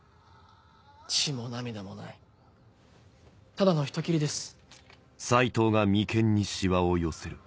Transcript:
血も涙もないただの人斬りです。